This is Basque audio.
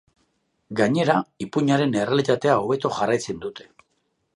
Gainera, ipuinaren errealitatea hobeto jarraitzen dute.